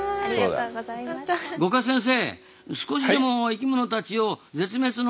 五箇先生